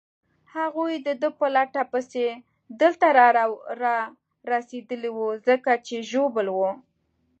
هغوی د ده په لټه پسې دلته رارسېدلي وو، ځکه چې ژوبل وو.